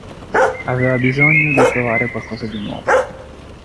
Aveva bisogno di provare qualcosa di nuovo.